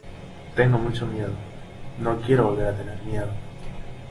tengo mucho miedo. no quiero volver a tener miedo .